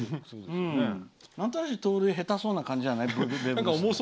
なんとなく盗塁へたそうな感じじゃない。